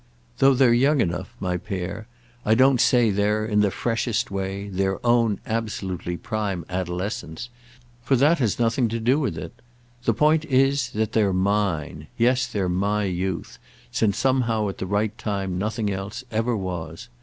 Though they're young enough, my pair, I don't say they're, in the freshest way, their own absolutely prime adolescence; for that has nothing to do with it. The point is that they're mine. Yes, they're my youth; since somehow at the right time nothing else ever was.